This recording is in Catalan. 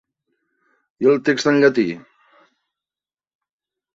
I el text en llatí?